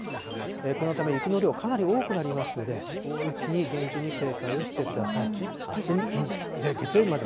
このため、雪の量かなり多くなりますので、大雪に厳重に警戒をし月曜日まで。